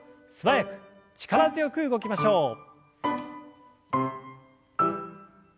素早く力強く動きましょう。